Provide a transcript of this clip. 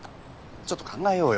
ちょっと考えようよ。